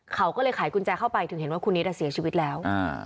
เขาก็เลยขายกุญแจเข้าไปถึงเห็นว่าคุณนิดเสียชีวิตแล้ว